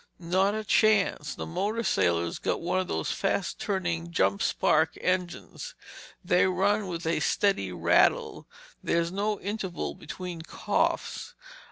"Not a chance. That motor sailor's got one of those fast turning jump spark engines. They run with a steady rattle. There's no interval between coughs.